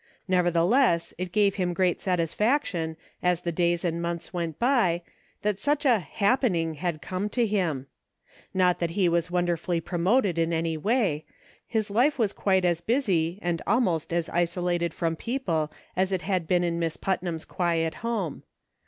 Nevertheless, it gave him great satisfaction, as the days and months went by, that such a " happening " had come to him. Not that he was wonderfully pro moted in any way. His life was quite as busy and almost as isolated from people as it had been in Miss Putnam's quiet home.